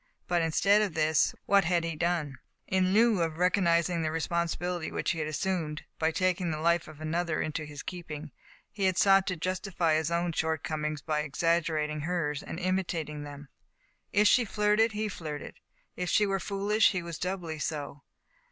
But, instead of this, what had he Digitized by Google 15^ THE FA TE OF FENELLA. done? In lieu of recognizing the responsibility which he assumed, by taking the life of another into his keeping, he had sought to justify his own shortcomings by exaggerating hers, and imitating them. If she flirted, he flirted. If she were foolish, he was doubly so.